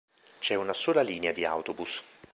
C'è una sola linea di autobus.